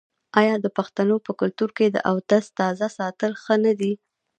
آیا د پښتنو په کلتور کې د اودس تازه ساتل ښه نه دي؟